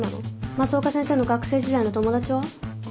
増岡先生の学生時代の友達は？